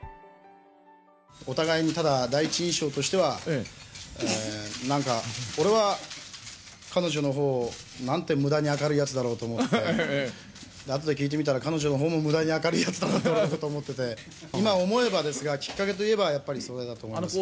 お互いにただ第一印象としては、なんか俺は彼女のほうをなんてむだに明るいやつなんだろうと思って、あとで聞いてみたら、彼女のほうもむだに明るいやつだなって、俺のことを思ってて、今思えばですが、きっかけといえばやっぱりそれだと思いますね。